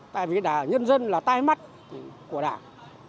tại vì đảng nhân dân là tay mắt của đảng